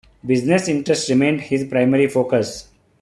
Business interests remained his primary focus.